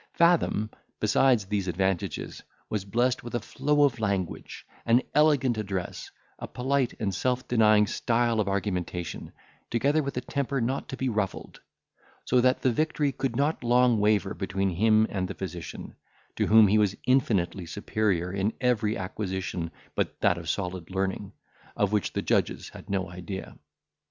Fathom, besides these advantages, was blessed with a flow of language, an elegant address, a polite and self denying style of argumentation, together with a temper not to be ruffled; so that the victory could not long waver between him and the physician, to whom he was infinitely superior in every acquisition but that of solid learning, of which the judges had no idea.